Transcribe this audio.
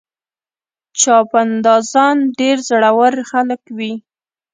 چاپندازان ډېر زړور خلک وي.